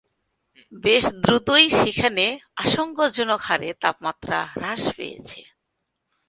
বেশ দ্রুতই সেখানে আশংকাজনকহারে তাপমাত্রা হ্রাস পেয়েছে!